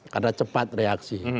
karena cepat reaksi